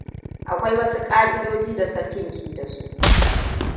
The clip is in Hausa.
Akwai wasu ƙa'idoji da sarkin ke da su.